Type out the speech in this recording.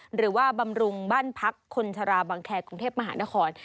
หรือว่าบำรุงบ้านพักษ์คนธราบังแครกรุงเทพมหานคร